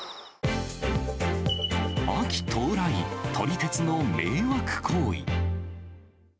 秋到来、撮り鉄の迷惑行為。